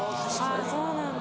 そうなんだ。